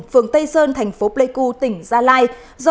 phường tây sơn thành phố pleiku tỉnh gia lai